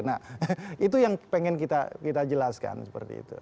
nah itu yang pengen kita jelaskan seperti itu